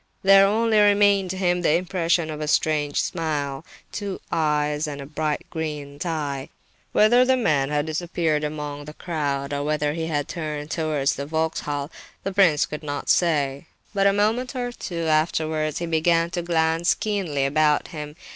There only remained to him the impression of a strange smile, two eyes, and a bright green tie. Whether the man had disappeared among the crowd, or whether he had turned towards the Vauxhall, the prince could not say. But a moment or two afterwards he began to glance keenly about him.